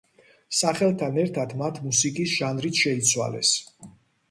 სახელთან ერთად მათ მუსიკის ჟანრიც შეიცვალეს.